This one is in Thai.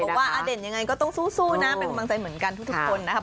ว่าอเด่นยังไงก็ต้องสู้นะเป็นกำลังใจเหมือนกันทุกคนนะครับ